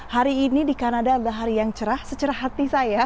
hari ini di kanada ada hari yang cerah secerah hati saya